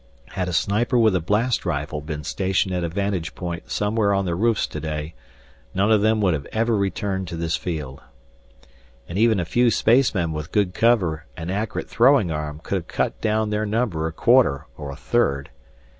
Had a sniper with a blast rifle been stationed at a vantage point somewhere on the roofs today none of them would ever have returned to this field. And even a few spacemen with good cover and accurate throwing aim could have cut down their number a quarter or a third.